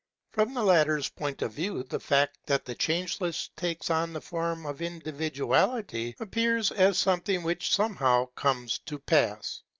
From the latter's point of view, the fact that the Changeless takes on the form of individuality appears as something which somehow comes to pass.